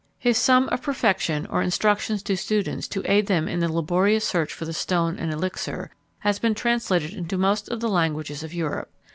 His sum "of perfection," or instructions to students to aid them in the laborious search for the stone and elixir, has been translated into most of the languages of Europe.